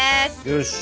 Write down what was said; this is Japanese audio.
よし。